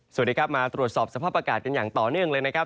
สวัสดีครับมาตรวจสอบสภาพอากาศกันอย่างต่อเนื่องเลยนะครับ